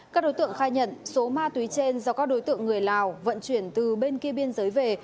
các đối tượng khai nhận số ma túy trên do các đối tượng người lào vận chuyển từ bên kia biên giới về